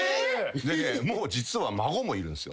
もう実は孫もいるんすよ。